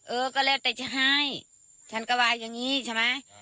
เออก็เร็วเตะเถอะจะให้ฉันก็ว่าอย่างนี้ใช่ไหม